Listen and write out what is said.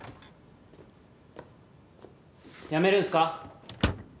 やめるんすか？